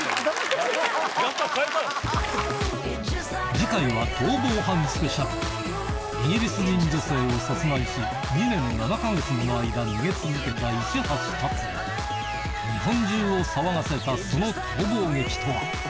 次回は逃亡犯ＳＰイギリス人女性を殺害し２年７か月もの間逃げ続けた市橋達也日本中を騒がせたその逃亡劇とは？